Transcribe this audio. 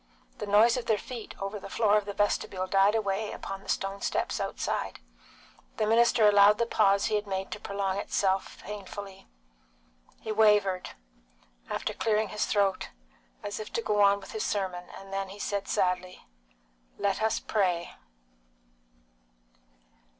The noise of their feet over the floor of the vestibule died away upon the stone steps outside. The minister allowed the pause he had made to prolong itself painfully. He wavered, after clearing his throat, as if to go on with his sermon, and then he said sadly, "Let us pray!"